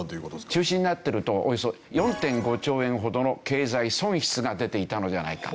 中止になってるとおよそ４．５兆円ほどの経済損失が出ていたのではないか。